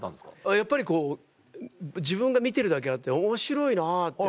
やっぱり自分が見てるだけあって面白いなって。